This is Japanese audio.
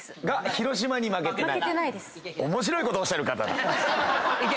広島に負けてない⁉行け！